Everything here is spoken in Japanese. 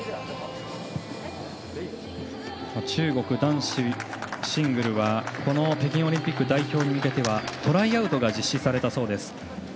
中国男子シングルは北京オリンピック代表に向けてトライアウトが実施されたそうです。